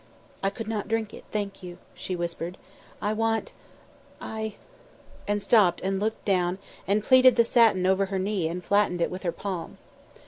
"I could not drink it, thank you," she whispered. "I I want " and stopped and looked down and pleated the satin over her knee and flattened it with her palm.